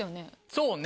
そうね。